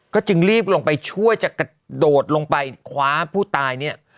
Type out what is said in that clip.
ก็จึงรีบลงไปช่วยจะกระโดดลงไปคว้าผู้ตายเนี่ย